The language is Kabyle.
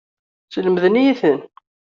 Slemden-iyi-ten.